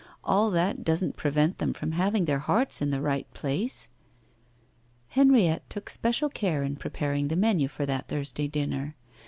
All that doesn't prevent them from having their hearts in the right place.' Henriette took especial care in preparing the menu for that Thursday dinner.